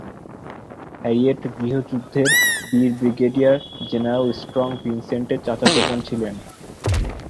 Harriet গৃহযুদ্ধের বীর brigadier general Strong ভিনসেন্টের চাচাতো বোন ছিলেন।